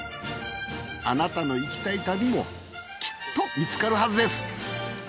あなたの行きたい旅もきっと見つかるはずです